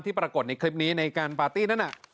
ปรากฏในคลิปนี้ในการปาร์ตี้นั้น